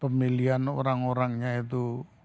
pemilihan orang orangnya itu